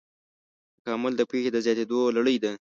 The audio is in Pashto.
تکامل د پوهې د زیاتېدو لړۍ ده.